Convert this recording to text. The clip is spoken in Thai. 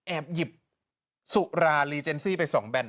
หยิบสุราลีเจนซี่ไป๒แบน